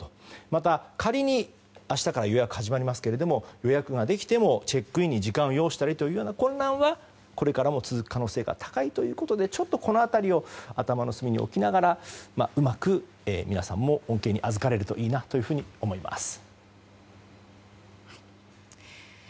また仮に明日から予約が始まりますが予約ができてもチェックインに時間を要したりする混乱はこれからも続く可能性が高いということでちょっとこの辺りを頭の隅に置いてうまく皆さんも恩恵にあずかれるといいなと思います。